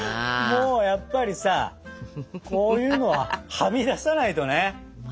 もうやっぱりさこういうのははみ出さないとね。